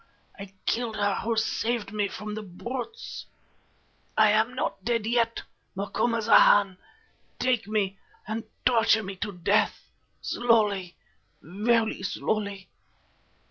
I killed her who saved me from the brutes. I am not dead yet, Macumazahn. Take me and torture me to death, slowly, very slowly.